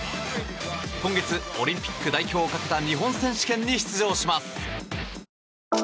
今月、オリンピック代表をかけた日本選手権に出場します。